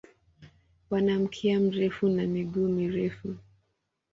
Wana mkia mrefu na miguu mirefu.